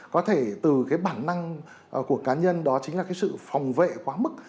có thể từ bản năng của cá nhân đó chính là sự phòng vệ quá mức